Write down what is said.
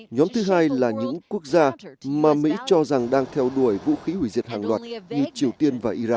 nhóm thứ hai là những quốc gia mà mỹ cho rằng đang theo đuổi vũ khí hủy diệt hàng loạt như triều tiên và iran